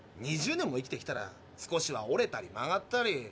２０年も生きてきたら少しは折れたり曲がったり。